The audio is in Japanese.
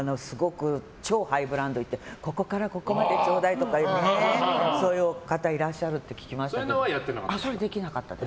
超ハイブランド行ってここからここまでちょうだいとかそういう方いらっしゃるって聞きましたけど。